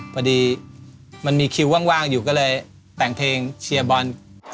พอดีมันมีคิวว่างอยู่ก็เลยแต่งเพลงเชียร์บอล